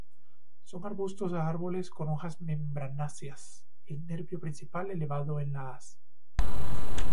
Son arbustos a árboles con hojas membranáceas, el nervio principal elevado en la haz.